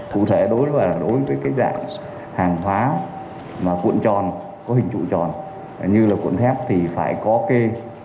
cụ thể đối với đối với cái dạng hàng hóa mà cuộn tròn có hình trụ tròn như là cuộn thép thì phải có kê